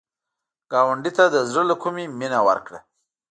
ګاونډي ته د زړه له کومي مینه ورکړه